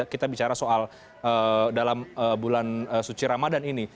kita bicara soal dalam bulan suci ramadan ini